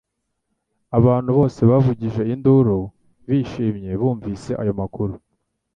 Abantu bose bavugije induru bishimye bumvise ayo makuru